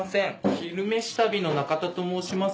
「昼めし旅」の中田と申します。